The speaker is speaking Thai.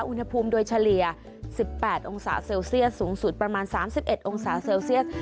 อุณหภูมิโดยเฉลี่ย๑๘องศาเซลเซียสสูงสุดประมาณ๓๑องศาเซลเซียส